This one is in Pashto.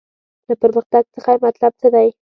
له پرمختګ څخه یې مطلب څه دی.